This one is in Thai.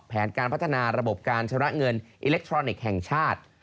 แผนการพัฒนาระบบการชำระเงินอิเล็กทรอนิกส์แห่งชาติ